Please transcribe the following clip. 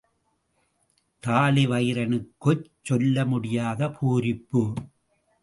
தாழிவயிறனுக்குச் சொல்ல முடியாத பூரிப்பு.